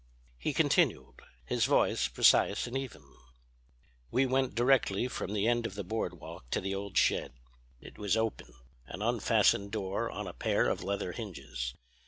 He continued, his voice precise and even "We went directly from the end of the Boardwalk to the old shed; it was open, an unfastened door on a pair of leather hinges.